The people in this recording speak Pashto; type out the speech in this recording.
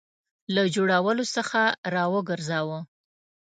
له جوړولو څخه را وګرځاوه.